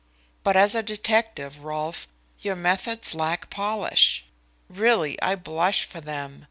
But as a detective, Rolfe, your methods lack polish. Really, I blush for them.